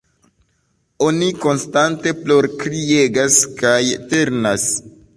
Oni konstante plorkriegas kaj ternas.